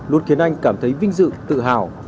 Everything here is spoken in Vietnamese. luôn khiến anh cảm thấy vinh dự tự hào